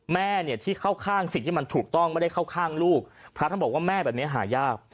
แม่เนี่ยที่เข้าข้างสิ่งที่มันถูกต้องไม่ได้เข้าข้างลูกพระท่านบอกว่าแม่แบบนี้หายาก